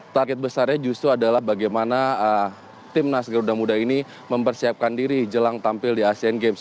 target besarnya justru adalah bagaimana timnas garuda muda ini mempersiapkan diri jelang tampil di asean games